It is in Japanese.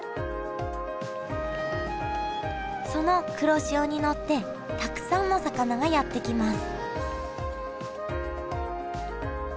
その黒潮に乗ってたくさんの魚がやって来ます